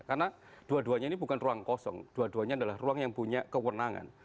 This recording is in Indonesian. karena dua duanya ini bukan ruang kosong dua duanya adalah ruang yang punya kewenangan